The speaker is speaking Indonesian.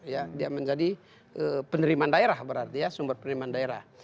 ya dia menjadi penerimaan daerah berarti ya sumber penerimaan daerah